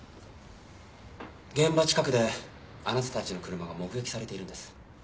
現場近くであなたたちの車が目撃されているんです。